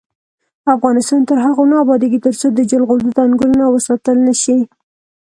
افغانستان تر هغو نه ابادیږي، ترڅو د جلغوزو ځنګلونه وساتل نشي.